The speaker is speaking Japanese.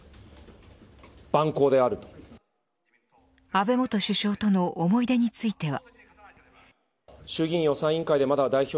安倍元首相との思い出については。